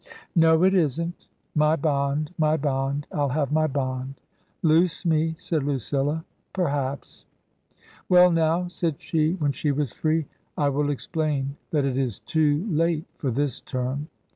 97 " No, it isn't. My bond ^my bond ! I'll have my bond !"" Loose me," said Lucilla —*' perhaps." " Well, now," said she, when she was free, " I will ex plain that it is too late for this term.